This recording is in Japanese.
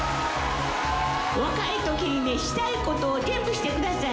若いときにしたいことを全部してください！